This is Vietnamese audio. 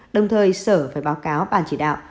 đồng thời sở phải báo cáo ban chỉ đạo